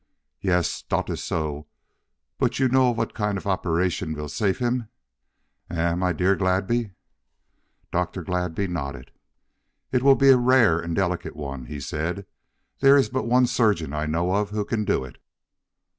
"Yes, dot is so; but you know vot kind of an operation alone vill safe him; eh, my dear Gladby?" Dr. Gladby nodded. "It will be a rare and delicate one," he said. "There is but one surgeon I know of who can do it."